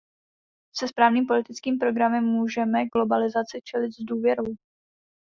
Se správným politickým programem můžeme globalizaci čelit s důvěrou.